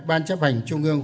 ban chấp hành trung ương